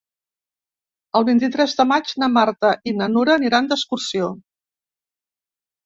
El vint-i-tres de maig na Marta i na Nura aniran d'excursió.